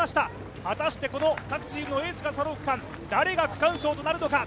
果たしてこの各チームのエースがそろった、誰が区間賞となるのか。